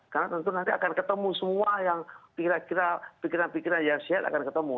karena tentu nanti akan ketemu semua yang kira kira pikiran pikiran yang sihat akan ketemu